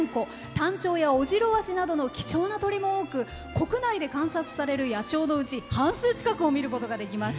タンチョウやオジロワシなどの貴重な鳥も多く国内で観察される野鳥のうち半数近くを見ることができます。